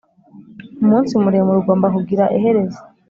umunsi muremure ugomba kugira iherezo